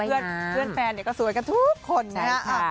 เพิ่มเรื่องแฟนเนี่ยก็สวยกันทุกคนนะครับ